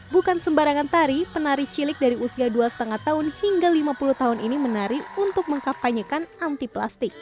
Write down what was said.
bukan sembarangan tari penari cilik dari usia dua lima tahun hingga lima puluh tahun ini menari untuk mengkapanyekan anti plastik